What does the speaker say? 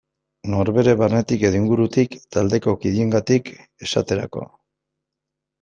Norbere barnetik edo ingurutik, taldeko kideengatik esaterako.